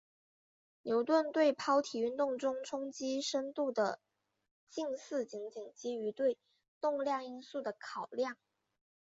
牛顿对抛体运动中冲击深度的近似仅仅基于对动量因素的考量。